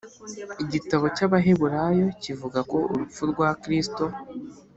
Igitabo cy'Abaheburayo kivuga ko urupfu rwa Kristo